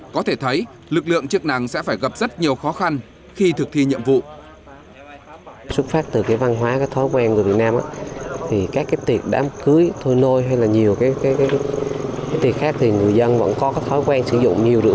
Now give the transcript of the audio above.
có thể thấy lực lượng chức năng sẽ phải gặp rất nhiều khó khăn khi thực thi nhiệm vụ